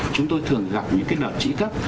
chúng tôi thường gặp những cái đợt trĩ cấp